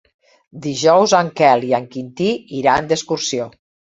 Dijous en Quel i en Quintí iran d'excursió.